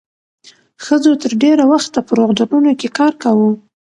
ښځو تر ډېره وخته په روغتونونو کې کار کاوه.